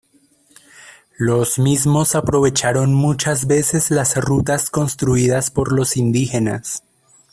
Los mismos aprovecharon muchas veces las rutas construidas por los indígenas.